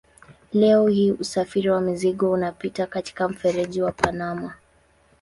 Leo hii usafiri wa mizigo unapita katika mfereji wa Panama.